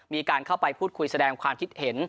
มีการเข้าไปพูดคุยแสดงความคิดเห็น